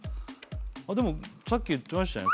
でもさっき言ってましたよね